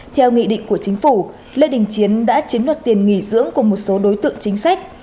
theo nghị định của chính phủ lê đình chiến đã chiếm đoạt tiền nghỉ dưỡng của một số đối tượng chính sách